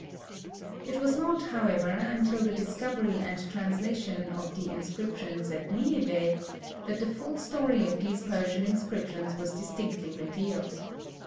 It was not, however, until the discovery and translation of the inscriptions at Nineveh, that the full story of these Persian inscriptions was distinctly revealed.